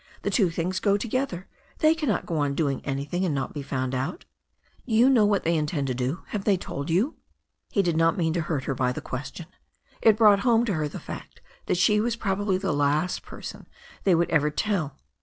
"The two things go together. They cannot go on doing an)rthing and not be found out." "Do you know what they intend to do? Have they told you?" He did not mean to hurt her by the question. It brought home to her the fact that she was probably the last person they would ever tell.